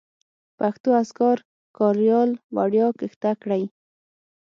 پښتو اذکار کاریال وړیا کښته کړئ